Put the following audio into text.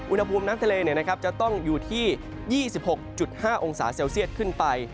อุณหภูมิน้ำทะเลจะต้องอยู่ที่๒๖๕องศาเซลเซียตขึ้นไป